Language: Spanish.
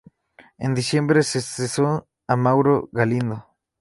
En diciembre se cesó a Mauro Galindo.